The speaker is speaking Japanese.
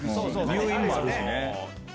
入院もあるしね。